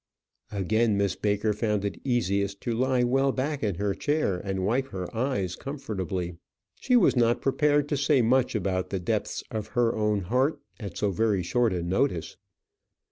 Again Miss Baker found it easiest to lie well back into her chair, and wipe her eyes comfortably. She was not prepared to say much about the depths of her own heart at so very short a notice.